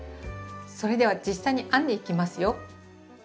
それでは実際に編んでいきますよ。